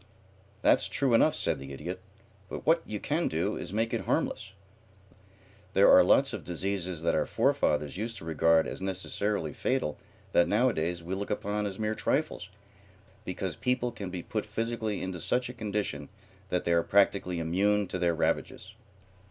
"That's true enough," said the Idiot, "but what you can do is to make it harmless. There are lots of diseases that our forefathers used to regard as necessarily fatal that nowadays we look upon as mere trifles, because people can be put physically into such a condition that they are practically immune to their ravages."